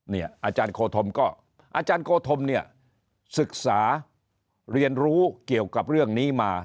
อาจารย์โคธมก็อาจารย์โคธมเนี่ยศึกษาเรียนรู้เกี่ยวกับเรื่องนี้มา